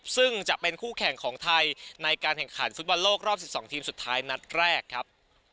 ซึ่งจะเป็นคู่แข่งของไทยในการแข่งขันฟุตบอลโลกรอบ๑๒ทีมสุดท้ายนัดแรกครับ